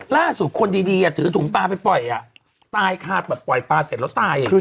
ล่าสุดคนดีถือถุงปลาไปปล่อยตายขาดปล่อยปลาเสร็จแล้วตายอย่างนี้